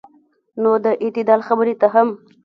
نو د اعتدال خبرې ته هم